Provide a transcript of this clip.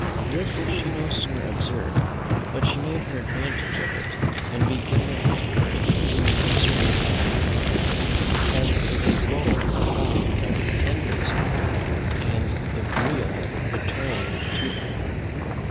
This she no sooner observed but she made her advantage of it, and began a discourse to me concerning love and honour, as they both are followed by pretenders and the real votaries to them.